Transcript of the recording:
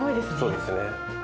そうですね。